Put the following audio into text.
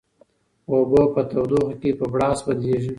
اوبه په تودوخه کې په بړاس بدلیږي.